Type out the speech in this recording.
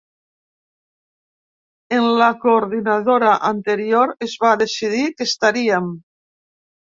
En la coordinadora anterior es va decidir que estaríem.